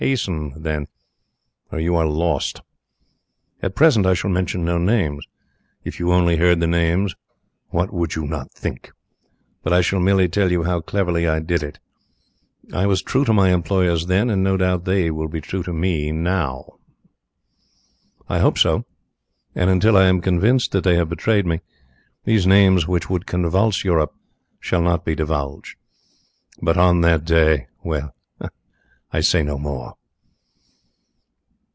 Hasten then, or you are lost! "At present I shall mention no names if you only heard the names, what would you not think! but I shall merely tell you how cleverly I did it. I was true to my employers then, and no doubt they will be true to me now. I hope so, and until I am convinced that they have betrayed me, these names, which would convulse Europe, shall not be divulged. But on that day ... well, I say no more!